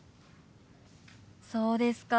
そうですか。